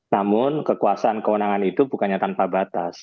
namun kekuasaan kewenangan itu bukannya tanpa batas